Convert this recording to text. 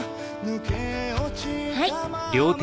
はい。